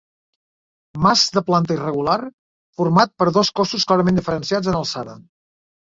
Mas de planta irregular format per dos cossos clarament diferenciats en alçada.